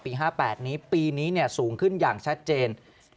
๕๘นี้ปีนี้สูงขึ้นอย่างชัดเจน